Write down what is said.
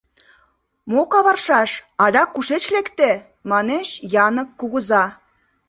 — Мо каваршаш, адак кушеч лекте? — манеш Янык кугыза.